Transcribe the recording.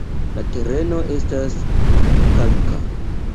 La tereno estas kalka.